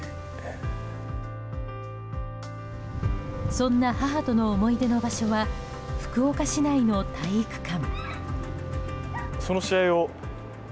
そんな母との思い出の場所は福岡市内の体育館。